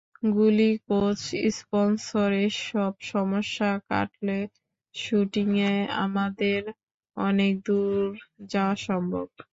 গুলি, coach, sponsor এসব সমস্যা কাটলে শ্যুটিংয়ে আমাদের অনেক দূর যাওয়া সম্ভব।